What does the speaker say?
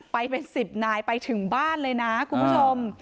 ไปเป็น๑๐นายไปถึงบ้านเลยนะคุณผู้ชม